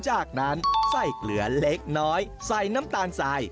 จากนั้นใส่เกลือเล็กน้อยใส่น้ำตาลสาย